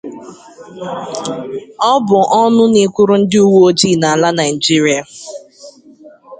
Ọ bụ ọnụ na-ekwuru ndị uweojii n'ala Nigeria